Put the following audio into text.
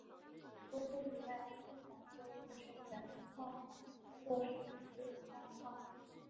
除此之外该小说亦授权梦马工作室改编为漫画。